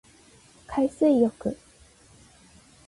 海水浴